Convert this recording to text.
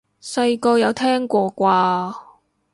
細個有聽過啩？